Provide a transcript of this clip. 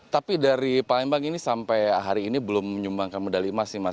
tapi dari palembang ini sampai hari ini belum menyumbangkan medali emas nih mas